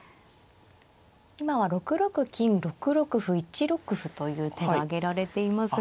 今は６六金６六歩１六歩という手が挙げられていますが。